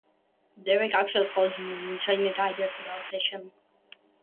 Derek actually has thoughtful and nuanced ideas about fashion.